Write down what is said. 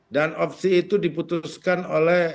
dan opsi itu diputuskan oleh